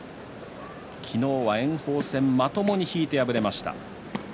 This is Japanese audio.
昨日は炎鵬戦まともに引いて敗れました。